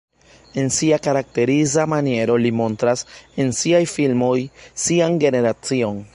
En sia karakteriza maniero li montras en siaj filmoj sian generacion.